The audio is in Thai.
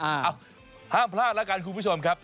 อ้าวห้ามพลาดแล้วกันคุณผู้ชมครับ